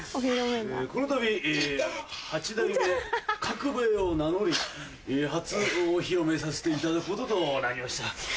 このたび八代目カクベエを名乗り初お披露目させていただくこととなりました。